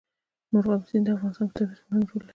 مورغاب سیند د افغانستان په طبیعت کې مهم رول لري.